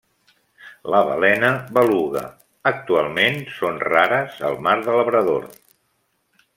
La balena Beluga, actualment són rares al mar de Labrador.